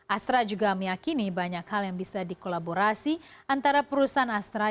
astra juga meyakini banyak hal yang bisa dikolaborasi antara perusahaan astra